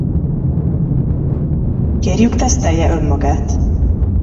Kérjük tesztelje önmagát!